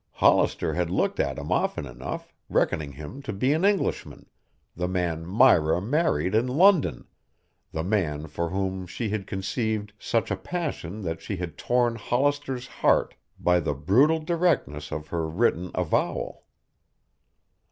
Hollister had looked at him often enough, reckoning him to be an Englishman, the man Myra married in London, the man for whom she had conceived such a passion that she had torn Hollister's heart by the brutal directness of her written avowal.